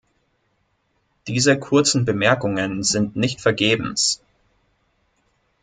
Diese kurzen Bemerkungen sind nicht vergebens.